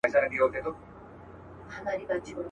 حیوانان له وهمه تښتي خپل پردی سي.